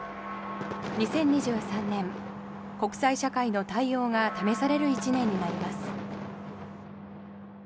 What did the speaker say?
２０２３年、国際社会の対応が試される１年になります。